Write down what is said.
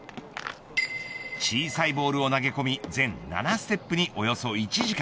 小さいボールを投げ込み全７ステップにおよそ１時間。